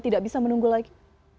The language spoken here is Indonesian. tidak bisa menunggu lagi